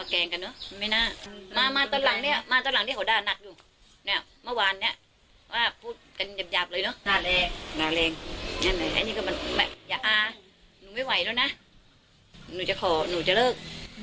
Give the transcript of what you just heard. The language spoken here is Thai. อันนี้ก็แบบอย่าอาหนูไม่ไหวแล้วนะหนูจะขอหนูจะเลิก